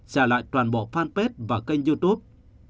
trả lại toàn bộ fanpage và kênh youtube